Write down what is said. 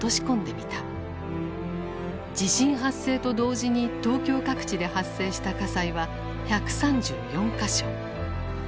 地震発生と同時に東京各地で発生した火災は１３４か所。